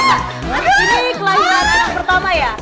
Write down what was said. ini kelahiran anak pertama ya